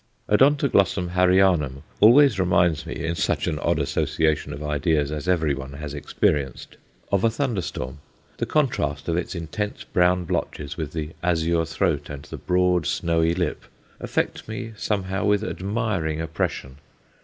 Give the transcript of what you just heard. Od. Harryanum always reminds me in such an odd association of ideas as everyone has experienced of a thunderstorm. The contrast of its intense brown blotches with the azure throat and the broad, snowy lip, affect me somehow with admiring oppression.